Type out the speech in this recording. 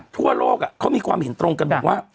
ทั่วโลกเขามีความเห็นตรงกันบอกว่า